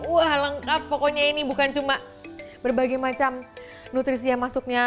wah lengkap pokoknya ini bukan cuma berbagai macam nutrisi yang masuknya